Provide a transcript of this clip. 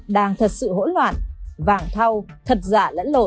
đang thật sự hỗn loạn vàng thau thật giả